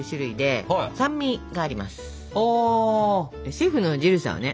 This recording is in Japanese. シェフのジルさんはね